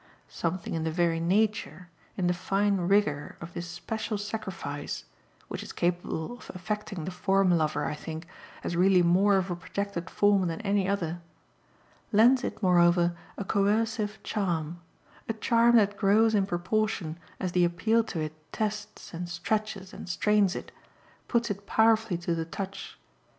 Something in the very nature, in the fine rigour, of this special sacrifice (which is capable of affecting the form lover, I think, as really more of a projected form than any other) lends it moreover a coercive charm; a charm that grows in proportion as the appeal to it tests and stretches and strains it, puts it powerfully to the touch.